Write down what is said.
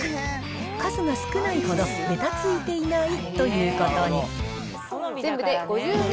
数が少ないほど、べたついていないということに。